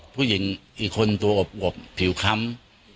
ผู้หญิงอีกคนตัวอวบผิวค้ำ